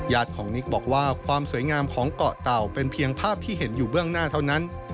ของนิกบอกว่าความสวยงามของเกาะเต่าเป็นเพียงภาพที่เห็นอยู่เบื้องหน้าเท่านั้น